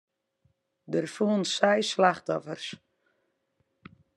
Der foelen seis slachtoffers.